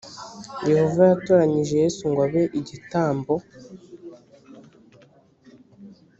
yehova yatoranyije yesu ngo abe igitambo